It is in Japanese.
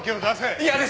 嫌です！